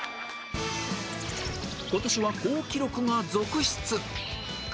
今年は好記録が続出！